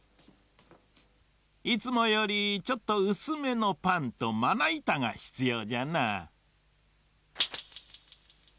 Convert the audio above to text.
いつもよりちょっとうすめのパンとまないたがひつようじゃな。